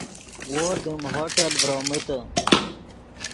وو دیم ہوٹل ڤرومیتے